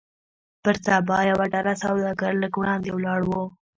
پر سبا يوه ډله سوداګر لږ وړاندې ولاړ وو.